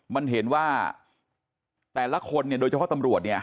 มันเห็นว่าแต่ละคนเนี่ยโดยเฉพาะตำรวจเนี่ย